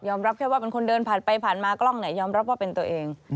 รับแค่ว่าเป็นคนเดินผ่านไปผ่านมากล้องยอมรับว่าเป็นตัวเอง